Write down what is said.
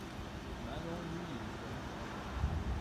难溶于乙醇。